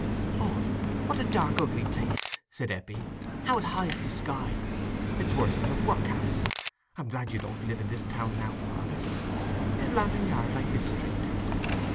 "Oh, what a dark ugly place!" said Eppie. "How it hides the sky! It's worse than the Workhouse. I'm glad you don't live in this town now, father. Is Lantern Yard like this street?"